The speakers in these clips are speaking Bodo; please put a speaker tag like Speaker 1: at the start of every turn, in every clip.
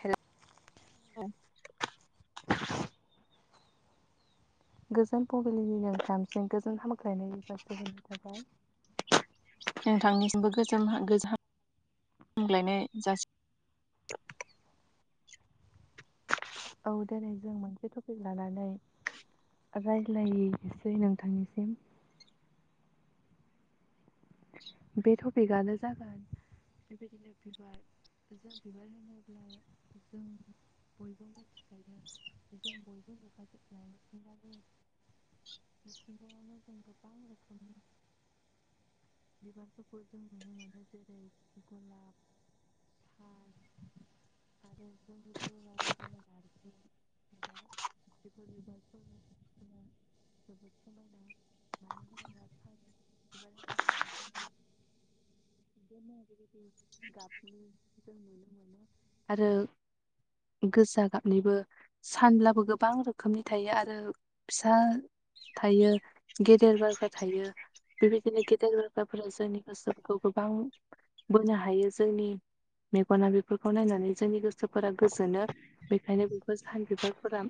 Speaker 1: हेलौ
Speaker 2: औ [inaudible]
Speaker 1: गोजोन फुंबिलिनि नोंथांजों गोजोन हामख्लायनाय जासिहरनाय थाबाय
Speaker 2: नोंथांनिसिमबो गोजोम हो गोजोन हामग्लायनाय जासि
Speaker 1: दोनै जों मोनसे टपिक लानानै रायज्लायनोसै नोंथांनिसिम बे टपिकआनो जागोन बेबादिनो बेबार जों बिबार होनोब्ला जों बयबो मिथिखायो एदम बयबो बेखाय [inaudible] बिखुनगायावनो जों गोबां रोखोमनि [inaudible] बिबारफोरखौ जों नुनो मोनो जेरै गलाब आर आरो गुबन गुबुन [inaudible] [inaudible] जोबोद समायना मानो होनोब्ला औ [unintelligible] बिदिनो बेबायदि गाबनाय जों नुनो मोनो आरो गोजा गाबनिबो सानब्लाबो गोबां रोखोमनि थायो आरो फिसा थायो गेदेर बारग्रा थायो बेबायदिनो गेदेर बिबाराफोरा जोंनि गोसोफोरखौ गोबां बोनो हायो जोंनि मेगना बेफोरखौ नायनानै जोंनि गोसोफोरा गोजोनो बेखायनो बेफोर जाहोन बिबारफोरा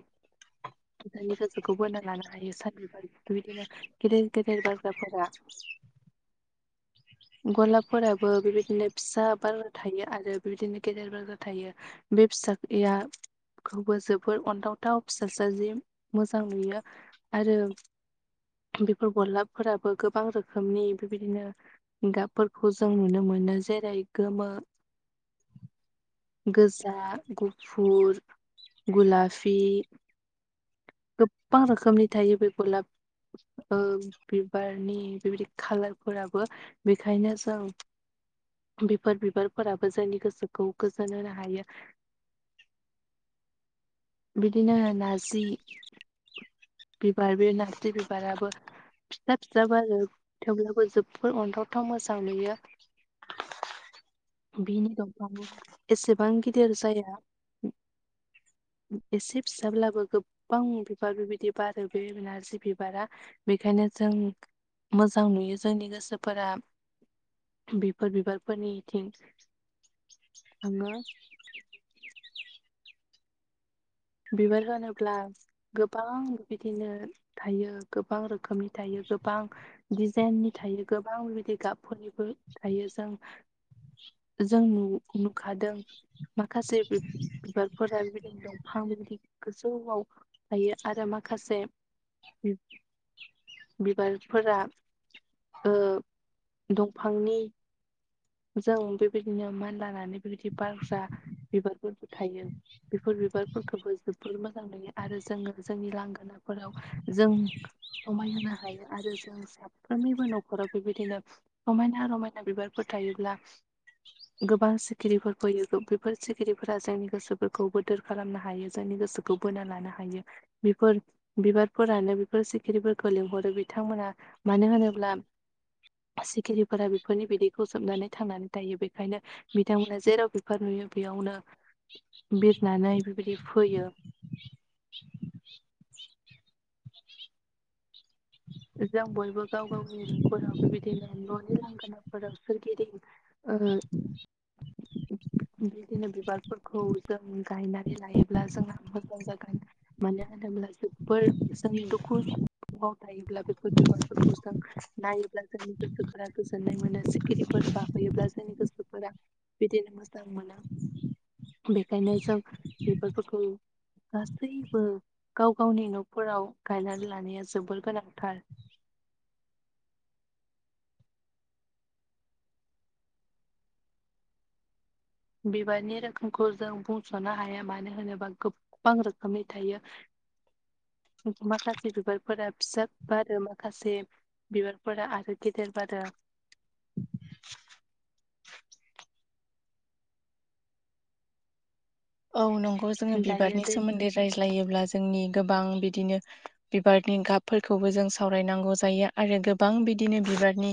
Speaker 1: जोंनि गोसोखौ बोना लानो हायो सानबिबार बिदिनो गेदेर गेदेर बारग्राफोरा [inaudible] गलाबफोराबो बेबादिनो फिसा बारग्रा थायो आरो बेबादिनो गेदेर बारग्रा थायो बे फिसाया खौबो जोबद अन्थावथाव फिसा फिसा जि मोजां नुयो आरो बेफोर गलाबफोराबो गोबां रोखोमनि बेबादिनो गाबफोरखौ जों नुनो मोनो जेरै गोमो गोजा गुफुर गुलाफि गोबां रोखोमनि थायो बे गलाब ओ बिबारनि बेबायदि खालारफोराबो बेखायनो जों बेफोर बिबारफोराबो जोंनि गोसोखौ गोजोन होनो हायो बिदिनो नारजि बिबार बे नारजि बिबाराबो फिसा फिसा बारो थेवब्लाबो जोबोद अनथावथाव मोजां नुयो बिनि दंफांआ एसेबां गिदिर जाया एसे फिसाब्लाबो गोबां बिबार बेबायदि बारो बे नारजि बिबारा बेखायनो जों मोजां नुयो जोंनि गोसोफोरा बेफोर बिबारफोरनिथिं आबा [unintelligible] बिबार होनोब्ला गोबां बिदिनो थायो गोबां रोखोमनि थायो गोबां दिजाइननि थायो गोबां बिबादि गाबफोरनिबो थायो जों जों नु नुखादों माखासे बिबारफोरा बिबायदिनो दं हाम गोजौआव थायो आरो माखासे बिबारफोरा ओ दंफांनि जों बेबायदिनो मान लानानै बेबादि बारग्रा बिबारफोरखौ थायो बेफोर बिबार फोरखौबो जोबोर मोजां नो आरो जोङो जोंनि लांगोनाफोराव हो जों समायहोना हायो आरो जों साफ्रोमनिबो न'खराव बेबायदिनो सममायना रमायना बिबारफोरखौ थायोब्ला गोबां सिखिरिफोर फैयो बेफोर सिखिरिफोरा जोंनि गोसोफोरखौ बोदोर खालामनो हायो। जोंनि गोसोखौ बोना लानो हायो। बेफोर बिबारफोरानो बेफोर सिखिरिफोरखौ लिंहरो बिथांमोना मानो होनोब्ला सिखिरिफोरा बेफोरनि बिदै सोबनानै थांनानै थायो बेखायनो बिथांमोना जेराव बिबार नुयो बेयावनो बिरनानै बेबायदि फैयो। जों बयबो गाव गावनि न'फोराव बेबायदिनो न'नि लांगोनाफोराव सोरगिदिं ओ
Speaker 2: उ [unintelligible]
Speaker 1: [unintelligible] बिदिनो बिबारफोरखौ जों गायनानै लायोब्ला जोंना मोजां जागोन मानो होनोबा जोबोर जों दुखुवाव थायोब्लाबो बेफोर बिबारफोरखौ जों नायोब्ला जोंनि गोसोफोरा गोजोननाय मोनो सिखिरिफोर बाफैयोब्ला जोंनि गोसोफोरा बिदिनो मोजां मोनो। बेखायनो जों बिबारफोरखौ गासैबो गाव गावनि न'खराव गायनानै लानाया जोबोर गोनांथार। बिबारनि रोखोमखौ जों बुंस'नो हाया मानो होनोबा गोबां रोखोमनि थायो। माखासे बिबारफोरा फिसा फिसा बारो माखासे बिबारफोरा आरो गेदेर बारो।
Speaker 2: औ नंगौ जोङो
Speaker 1: दायो
Speaker 2: बिबारनि
Speaker 1: दै
Speaker 2: सोमोन्दै रायज्लायोब्ला जों जोंनि गोबां बिदिनो बिबारनि गाबफोरखौबो जों सावरायनांगौ जायो आरो गोबां बि दिनो बिबारनि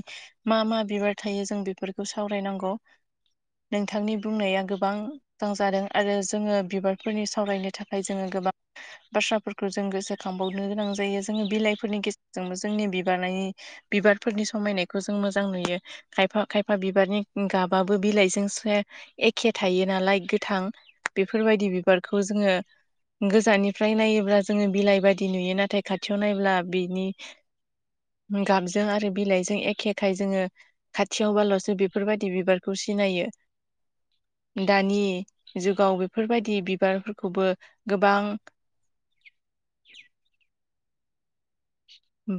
Speaker 2: मा मा बिबार थायो जों बेफोरखौ सावरायनांगौ। नोंथांनि बुंनाया गोबां मोजां जादों। आरो जोङो बिबारफोरनि सावरायनो थाखाय जोङो गोबां बाथ्राफोरखौ जों गोसोखांबावनो गोनां जायो जोङो बिलाइफोरनि गेजेरजोंबो जोंनि बिबारनि बिबारफोरनि समायनायखौ जों मोजां नुयो। खायफा खायफा बिबारनि गाबाबो बिलाइजों एखे थायो नालाय गोथां। बेफोरबायदि बिबारखौ जोङो गोजाननिफ्राय नायोब्ला जोङो बिलाइ बायदि नुयो नाथाय खाथियाव नायब्ला बिनि
Speaker 1: [inaudible]
Speaker 2: गाबजों आरो बिलाइजों जों एखेखाय जोङो खाथियावबाल'सो बेफोरबायदि बिबारखौ सिनायो। दानि जुगाव बेफोरबायदि बिबारफोरखौबो गोबां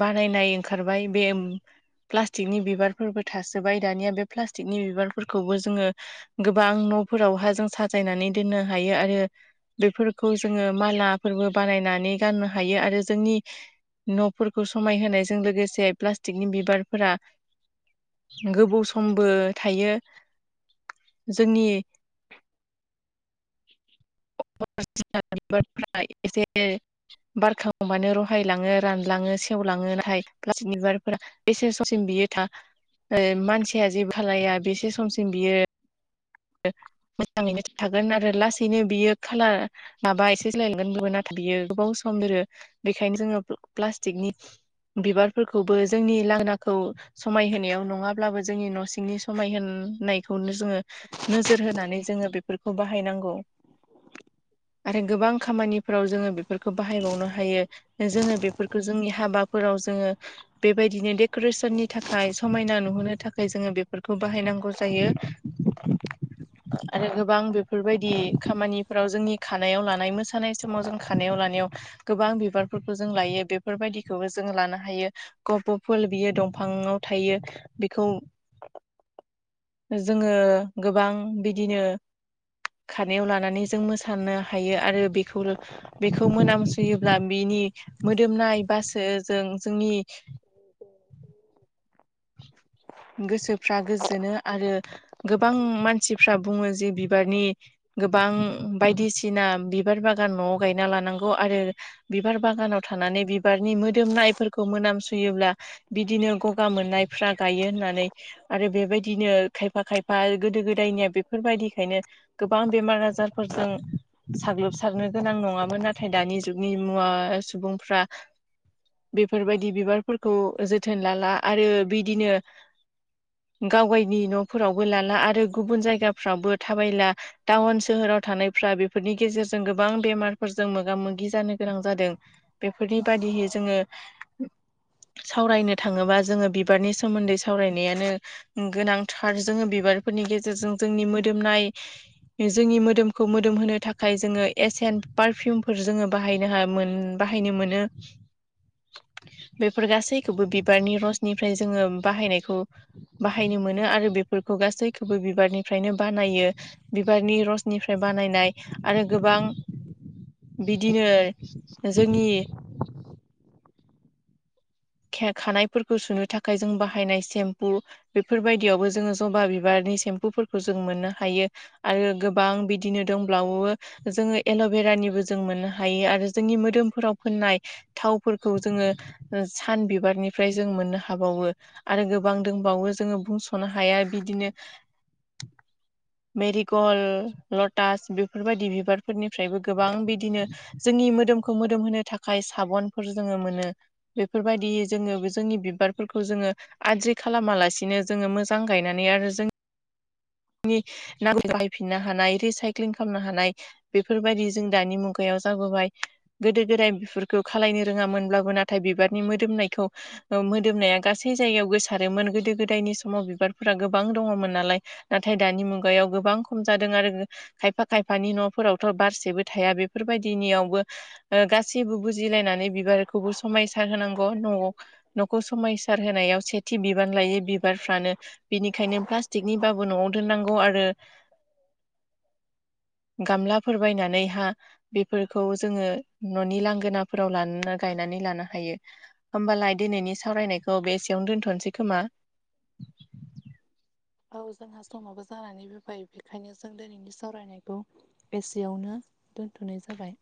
Speaker 2: बानायनाय ओंखारबाय बे प्लास्टिकनि बिबारफोरबो थासोबाय दानिया बे प्लास्टिकनि बिबारफोरखौबो जोङो गोबां न'फोरावहा जों साजायनानै दोननो हायो आरो बेफोरखौ जोङो मालाफोरबो बानायनानै गाननो हायो आरो जोंनि न' फोरखौ समायहोनायजों लोगोसे प्लास्टिकनि बिबारफोरा गोबौ समबो थायो। जोंनि
Speaker 1: [inaudible]
Speaker 2: [unintelligible] बिबारफोरा एसे बारखांबानो हायलाङो रानलाङो सेवलाङो नाथाय प्लाटिकनि बिबारफोरा बेसे समसिम बियो था ओ मानसिया जे खालाया बेसे समसिम बियो मोजाङैनो थागोन आरो लासैनो बियो खालार माबा एसे सोलायलांगोन बेबो नाथाय बियो गोबाव सम जोरो बेखायनो जोङो प्लास्टिकनि बिबारफोरखौबो जोंनि लांगोनाखौ समायहोनायाव नङाब्लाबो जोंनि न' सिंनि समाय होनायखौ खौनो जोङो नोजोर होनानै जोङो बेफोरखौ बाहायनांगौ। आरो गोबां खामानिफोराव जोङो बेफोरखौ बाहायबावनो हायो जोङो बेफोरखौ जोंनि हाबाफोर राव जोङो बेबायदिनो क्रेसननि थाखाय समायना नुहोनो थाखाय जोङो बेफोरखौ बाहायनांगौ जायो
Speaker 1: [inaudible]
Speaker 2: आरो गोबां बेफोरबायदि खामानिफोराव जोंनि खानायाव लानाय मोसानाय समाव जों खानायाव लानायाव गोबां बिबारफोरखौ जों लायो बेफोरबायदिखौबो जों लानो हायो गफ' फुल बियो दंफां थायो बेखौ
Speaker 1: [inaudible]
Speaker 2: जोङो गोबां बिदिनो खारनायाव लानानै जों मोसानो हायो आरो बेखौ बेखौ मोनामसुयोब्ला बि नि मोदोमनाय बासो जों जोंनि
Speaker 1: [inaudible]
Speaker 2: गोसोफ्रा गोजोनो आरो गोबां मानसिफ्रा बुङो जे बिबारनि गोबां बायदिसिना बिबार बागान न'आव गायना लानांगौ आरो दोमनायफोरखौ मोनामसुयोब्ला बिदिनो गगा मोननाय फ्रा गायो होननानै आरो बेबायदिनो खायफा खायफा गोदो गोदायनिया बेफोरबायदिखायनो गोबां बेमार आजारफोरजों साग्लोबसारनो गोनां नङामोन नाथाय दानि जुगनि मुङाव सुबुंफ्रा बेफोरबायदि बिबारफोरखौ जोथोन लाला आरो बिदिनो गाव गावनि नफोरावबो लाला आरो गुबुन जायगाफ्रावबो थाबायला टाउन सोहोराव थानायफ्रा बेफोरनि गेजेरजों गोबां बेमारफोरजों मोगा मोगि जानो गोनां जादों बेफोरनि बाय जोंङो सावरायनो थाङोबा जों बिबारनि सोमोन्दै सावरायनायानो गोनांथार जोङो बिबारफोरनि गेजेरजों जोंनि मोदोमनाय [inaudible] जोंनि मोदोमखौ मोदोम होनो थाखाय जोङो एसियेन पारफिउमफोर जोङो बाहायनो हायो मोन बाहायनो मोनो बेफोर गासैखौबो बिबारनि रसनि ओमफ्राय जोङो बाहायनायखौ बाहायनो मोनो आरो बेफोरखौ गासैखौबो बिबारनिफ्रायनो बानायो बिबारनि रसनिफ्राय बानायनाय आरो गोबां बिदिनो जोंनि
Speaker 1: [inaudible]
Speaker 2: खानायफोरखौ सुनो थाखाय जों बाहायनाय सेम्पु बेफोरबायदियावबो जोङो जबा बिबार सेम्पुफोरखौ जों मोननो हायो आरो गोबां बिदिनो दंबावो जोङो एल'बेरा बो जों मोननो हायो आरो जोंनि मोदोमफोराव फोननाय थावफोरखौ जोङो सान बिबारनिफ्राय जों मोननो हाबावो आरो गोबां दंबावो जोङो बुंस'नो हाया बिदिनो
Speaker 1: [unintelligible]
Speaker 2: मेरिकल लटास बे फोरबायदि बिबारफोरनिफ्रायबो गोबां बिदिनो जोंनि मोदोमखौ मोदोम होनो थाखाय साबनफोर जोङो मोनो बेफोरबायदियै जोङो जोंनि बिबारफोरखौ जोङो आद्रि खालामालासिनो जोङो मोजां गायनानै आरो जों नि खौ बाहायफिननो हानाय रिसाइक्लिं खालामनो हानाय बेफोरबायदि जों दानि मुगायाव जाबोबाय गोदो गोदाय बेफोरखौ खालायनो रोङा मोनब्ला बो नाथाय बिबारनि मोदोमनायखौ मोदोमनाया गासै जायगायाव गोसारोमोन गोदो गोदायनि समाव बिबारफोरा गोबां दङमोन नालाय नाथाय दानि मुगायाव गोबां खम जादों आरो खायफा खायफानि न'फोरावथ' बारसेबो थाया बे बेफोरबायदिनियावबो गासैबो बुजिलायनानै बिबारखौबो समायसार होनांगौ न'आव न'खौ समायसार होनायाव सेथि बिबान लायो बिबारफ्रानो बिनिखायनो प्लास्टिकनि बा न'आव दोनांगौ आरो गामलाफोर बायनानै बेफोरखौ जोङो न'नि लांगोनाफोराव गायनानै लानो हायो हमबा होमबालाय दिनैनि सरायनायखौ बेसेयावनो दोन्थ'नोसै खोमा
Speaker 1: [inaudible] औ जोंहा समाबो जानानै फोयबाय बेखायनो जों दिनैनि सावरायनायखौ एसेयावनो दोनथ'नाय जाबाय